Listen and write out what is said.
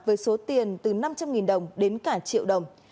với số tiền từ năm trăm linh đồng đến cả triệu đồng